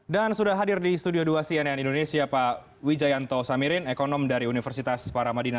dan sudah hadir di studio dua cnn indonesia pak wijayanto samirin ekonom dari universitas paramadina